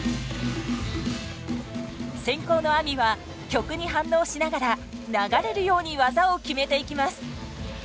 先攻のＡＭＩは曲に反応しながら流れるように技を決めていきます。